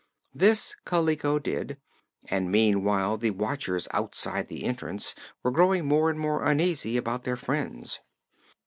This Kaliko did, and meanwhile the watchers outside the entrance were growing more and more uneasy about their friends.